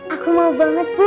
aku mau banget bu